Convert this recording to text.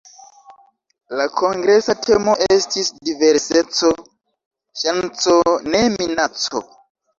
La kongresa temo estis "Diverseco: ŝanco, ne minaco".